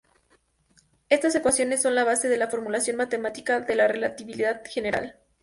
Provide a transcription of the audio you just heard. Estas ecuaciones son la base de la formulación matemática de la relatividad general.